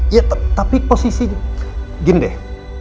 ya tapi posisi gini deh